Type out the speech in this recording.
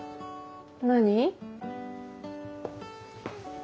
何？